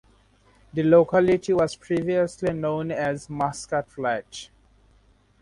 The locality was previously known as Muskat Flat.